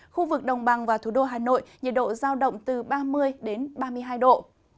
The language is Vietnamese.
khu vực đồng bằng và thủ đô hà nội nhiệt độ giao động từ ba mươi ba mươi hai độ